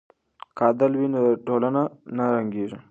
که عدل وي نو ټولنه نه ړنګیږي.